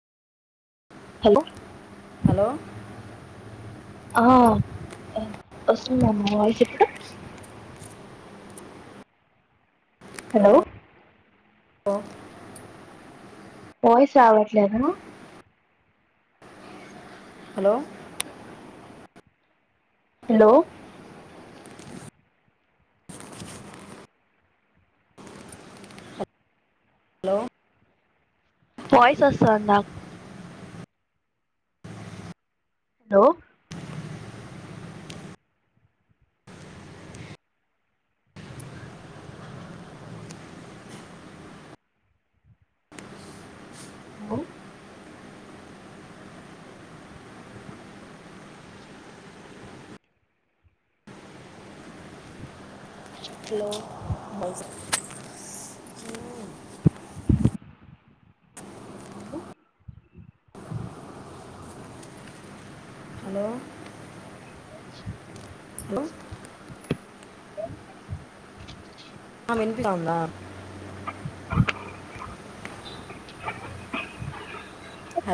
hello hello ఆ వస్తుందా అండి నా వాయిస్ ఇప్పుడు హలో వాయిస్ రావట్లేదా హలో హలో హలో వాయిస్ వస్తుందా హలో హలో హలో మ హలో హలో హలో ఆ వినిపిస్తుందా